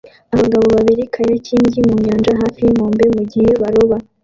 Abagabo babiri kayakiingi ku nyanja hafi yinkombe mugihe baroba